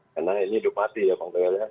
karena ini duk mati ya bang soel ya